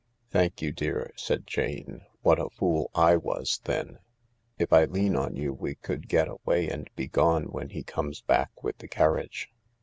"Thank you, dear," said Jane. "What a fool J was, then. If I lean on you we could get away and be gone when he comes back with the carriage."